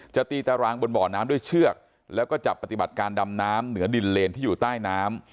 ตีตารางบนบ่อน้ำด้วยเชือกแล้วก็จับปฏิบัติการดำน้ำเหนือดินเลนที่อยู่ใต้น้ำ